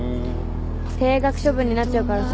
停学処分になっちゃうからさ。